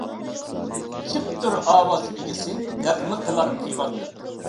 كىمدۇر ئاۋاز ئىگىسى، نەغمە قىلار پىغانلىق.